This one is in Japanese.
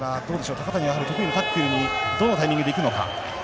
高谷、得意のタックルにどのタイミングで行くのか。